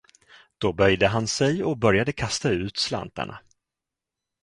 Då böjde han sig och började kasta ut slantarna.